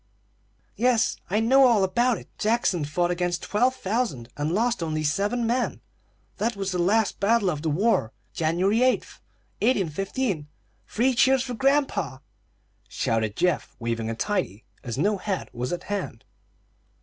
"Yes, I know all about it. Jackson fought against twelve thousand, and lost only seven men. That was the last battle of the war, January 8, 1815. Three cheers for grandpa!" shouted Geoff, waving a tidy, as no hat was at hand.